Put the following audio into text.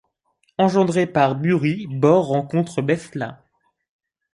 Engendré par Búri, Bor rencontre Bestla.